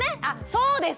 そうですね。